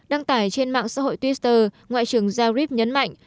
đăng tải trên mạng xã hội twitter ngoại trưởng zarif nhấn mạnh